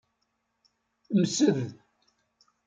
Msed.